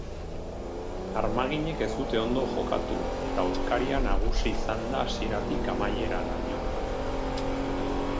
Armaginek ez dute ondo jokatu eta aurkaria nagusi izan da hasieratik amaieraraino.